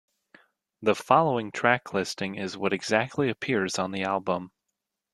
The following track listing is what exactly appears on the album.